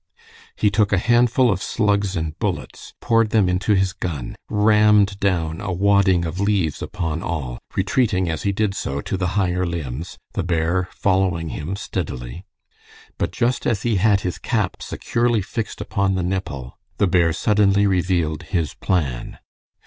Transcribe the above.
He took a handful of slugs and bullets, poured them into his gun, rammed down a wadding of leaves upon all, retreating as he did so to the higher limbs, the bear following him steadily. But just as he had his cap securely fixed upon the nipple, the bear suddenly revealed his plan.